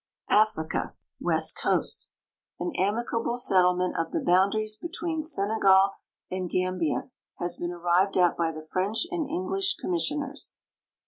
AFRICA West Coast. An amicable settlement of the boundaries between Sene gal and Gambia has been arrived at by the French and English commis sioners.